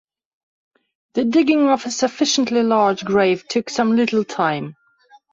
The digging of a sufficiently large grave took some little time.